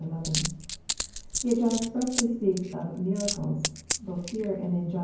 Yet John expressly speaks of miracles, (both here, and in John ii.